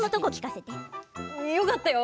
よかったよ。